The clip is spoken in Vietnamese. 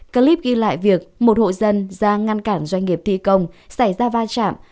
clip ghi lại việc một hộ dân ra ngăn cản doanh nghiệp thi công xảy ra va chạm